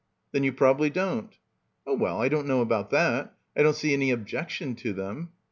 "Then you probably don't." "Oh, well, I don't know about that. I don't see any objection to them."